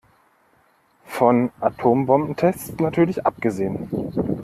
Von Atombombentests natürlich abgesehen.